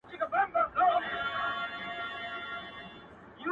پاچهۍ له غوړه مالو پرزېدلي!.